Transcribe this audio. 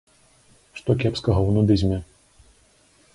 Што кепскага ў нудызме?